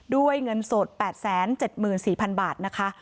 ด้วยเงินสด๘๗๔๐๐๐บาทนะคะ